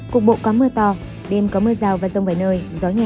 cục bộ có mưa to đêm có mưa rào và rông vài nơi gió nhẹ